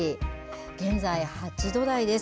現在８度台です。